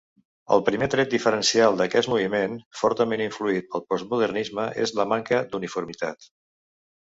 El primer tret diferencial d'aquest moviment, fortament influït pel postmodernisme és la manca d'uniformitat.